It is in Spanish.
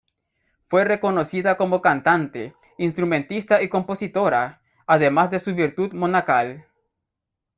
Fue reconocida como cantante, instrumentista y compositora, además de su virtud monacal.